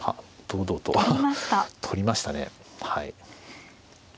堂々と取りましたねはい。